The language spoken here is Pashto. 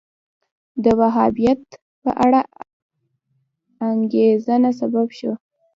د وهابیت په اړه انګېرنه سبب شو